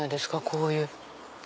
こういう。